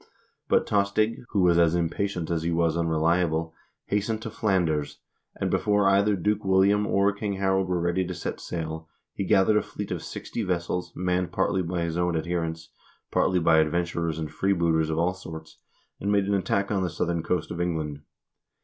2 But Tostig, who was as impatient as he was unreliable, hastened to Flanders, and before either Duke William or King Harald were ready to set sail, he gathered a fleet of sixty vessels, manned partly by his own adherents, partly by adventurers and freebooters of all sorts, and made an attack on the southern coast of England.